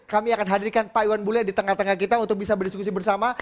kami akan hadirkan pak iwan bule di tengah tengah kita untuk bisa berdiskusi bersama